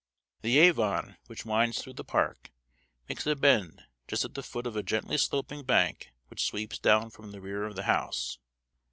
The Avon, which winds through the park, makes a bend just at the foot of a gently sloping bank which sweeps down from the rear of the house.